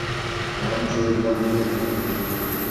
Wan ceribandiye.